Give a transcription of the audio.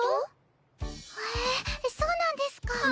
へえそうなんですか。